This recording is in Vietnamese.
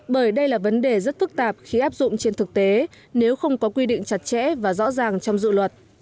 bởi đây là vấn đề rất phức tạp khi áp dụng trên thực tế nếu không có quy định chặt chẽ và rõ ràng trong dự luật